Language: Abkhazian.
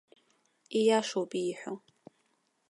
Ииашоуп ииҳәо.